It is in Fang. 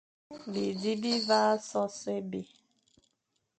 Bizi bi vagha so sô é bè,